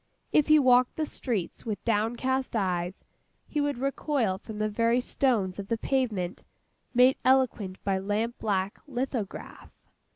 If he walked the streets with downcast eyes, he would recoil from the very stones of the pavement, made eloquent by lamp black lithograph.